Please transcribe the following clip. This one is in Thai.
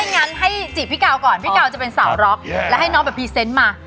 งั้นให้จีบพี่กาวก่อนพี่กาวจะเป็นสาวร็อกและให้น้องแบบพรีเซนต์มา